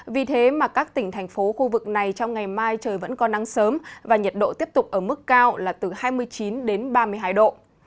vì thế mà các tỉnh thành phố khu vực này trong ngày mai trời vẫn có nắng sớm và nhiệt độ tiếp tục ở mức cao là từ hai mươi chín đến ba mươi hai độ